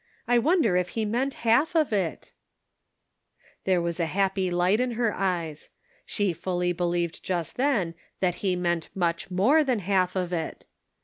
I wonder if he meant half of it ?" There was a happy light in her eyes. She fully believed just then that he meant much more than half of it.